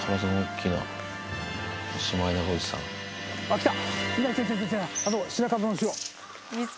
あっ、来た。